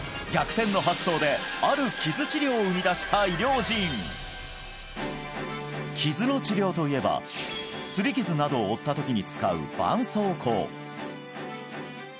逆転の発想である傷治療を生み出した医療人傷の治療といえば擦り傷などを負ったときに使う絆創膏